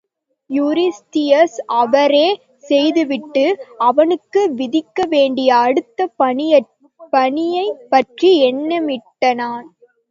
Eurystheus அவ்வாறே செய்துவிட்டு, அவனுக்கு விதிக்க வேண்டிய அடுத்த பணியைப்பற்றி எண்ணமிட்டான்.